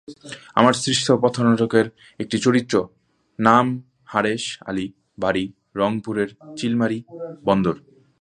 আমার সৃষ্ট পথনাটকের একটি চরিত্র, নাম হারেছ আলী, বাড়ি রংপুরের চিলমারী বন্দর।